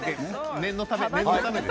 念のため。